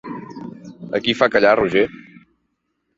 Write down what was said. A qui fa callar Roger?